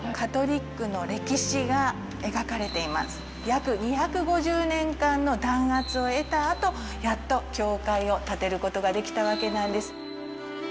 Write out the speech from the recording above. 約２５０年間の弾圧を経たあとやっと教会を建てることができたわけなんです。